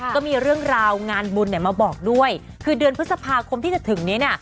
ก็มีเรื่องราวงานบุญเนี่ยมาบอกด้วยคือเดือนพฤษภาคมที่จะถึงนี้เนี่ย